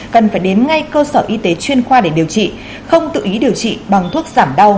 cần phải đến ngay cơ sở y tế chuyên khoa để điều trị không tự ý điều trị bằng thuốc giảm đau